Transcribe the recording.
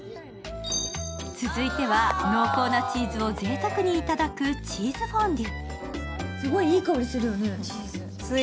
続いては、濃厚なチーズをぜいたくにいただくチーズフォンデュ。